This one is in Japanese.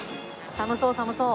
寒そう寒そう。